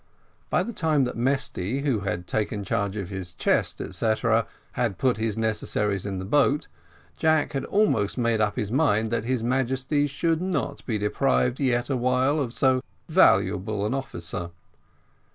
By the time that Mesty, who had taken charge of his chest, etcetera, had put his necessaries in the boat, Jack had almost made up his mind that his Majesty should not be deprived yet awhile of so valuable an officer.